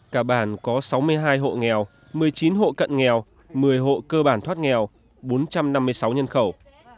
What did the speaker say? cả bản có sáu mươi hai hộ nghèo một mươi chín hộ cận nghèo một mươi hộ cơ bản thoát nghèo bốn trăm năm mươi sáu nhân khẩu